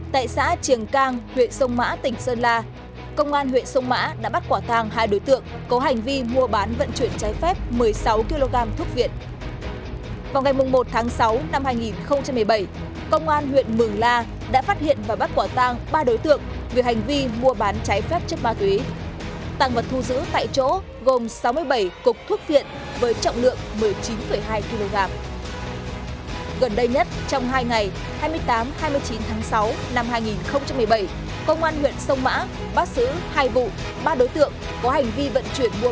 trong đây nhất trong hai ngày hai mươi tám hai mươi chín tháng sáu năm hai nghìn một mươi bảy công an huyện sông mã bắt giữ hai vụ ba đối tượng có hành vi vận chuyển mua bán trái phép chất ma túy khu giữ hơn năm kg thuốc viện